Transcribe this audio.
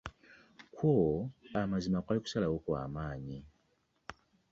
Kwo amzima kwali kusalawo kwamanyi .